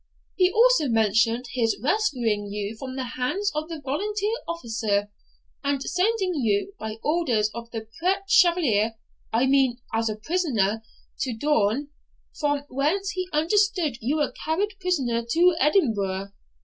He also mentioned his rescuing you from the hands of the volunteer officer, and sending you, by orders of the Pret Chevalier, I mean as a prisoner to Doune, from whence he understood you were carried prisoner to Edinburgh.